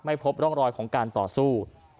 พบร่องรอยของการต่อสู้